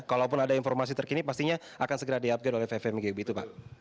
kalaupun ada informasi terkini pastinya akan segera di update oleh pfmbg begitu pak